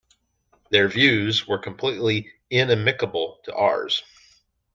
Their views were completely inimicable to ours.